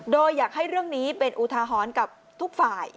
โดยอยากให้เรื่องนี้เป็นอุทาหรณ์กับทุกฝ่าย